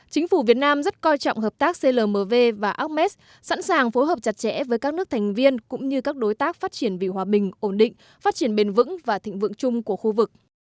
chính phủ việt nam rất coi trọng hợp tác clmv và ames sẵn sàng phối hợp chặt chẽ với các nước thành viên cũng như các đối tác phát triển vì hòa bình ổn định phát triển bền vững và thịnh vượng chung của khu vực